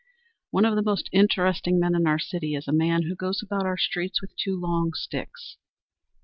One of the most interesting men in our city is a man who goes about our streets with two long sticks.